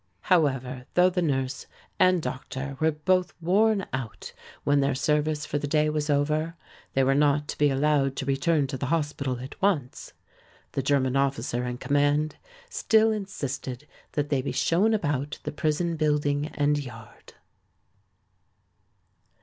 However, though the nurse and doctor were both worn out when their service for the day was over, they were not to be allowed to return to the hospital at once. The German officer in command still insisted that they be shown about the prison building and yard.